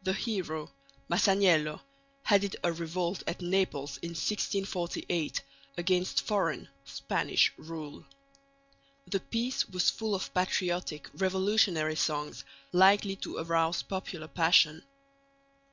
The hero, Masaniello, headed a revolt at Naples in 1648 against foreign (Spanish) rule. The piece was full of patriotic, revolutionary songs likely to arouse popular passion.